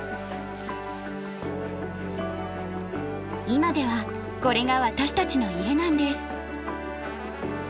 今ではこれが私たちの家なんです。